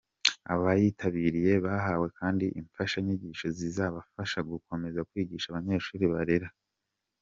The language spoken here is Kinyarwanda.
Abayitabiriye bahawe kandi imfashanyigisho zizabafasha gukomeza kwigisha abanyeshuri barera.